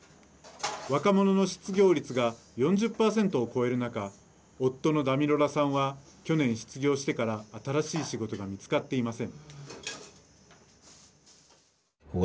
若者の失業率が４０％を超える中夫のダミロラさんは去年、失業してから新しい仕事が見つかっていません。